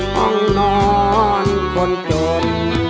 ห้องนอนคนจน